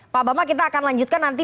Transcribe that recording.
pak bambang kita akan lanjutkan nanti